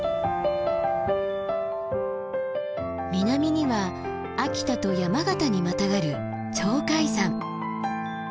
南には秋田と山形にまたがる鳥海山。